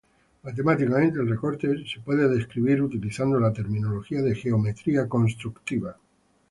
Matemáticamente, el recorte puede ser descrito utilizando la terminología de geometría constructiva.